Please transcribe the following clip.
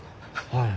はい。